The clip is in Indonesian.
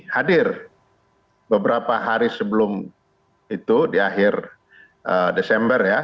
hadir beberapa hari sebelum itu di akhir desember ya